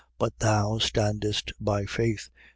But thou standest by faith.